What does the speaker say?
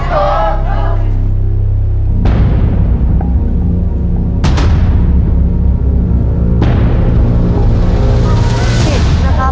ลุกหลุบหลุบ